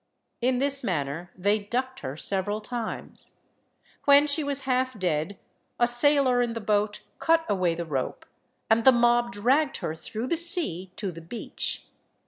In this manner they ducked her several times. When she was half dead, a sailor in the boat cut away the rope, and the mob dragged her through the sea to the beach.